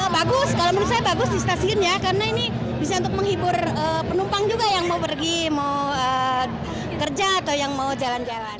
bagus kalau menurut saya bagus di stasiunnya karena ini bisa untuk menghibur penumpang juga yang mau pergi mau kerja atau yang mau jalan jalan